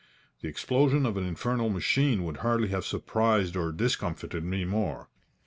The explosion of an infernal machine would hardly have surprised or discomfited me more.